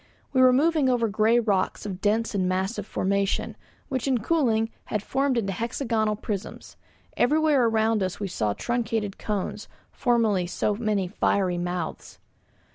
We were moving over grey rocks of dense and massive formation, which in cooling had formed into hexagonal prisms. Everywhere around us we saw truncated cones, formerly so many fiery mouths.